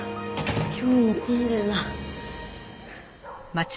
今日も混んでるな。